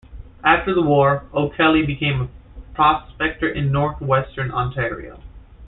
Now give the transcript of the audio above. After the war, O'Kelly became a prospector in Northwestern Ontario.